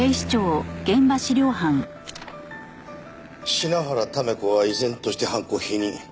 品原試子は依然として犯行を否認。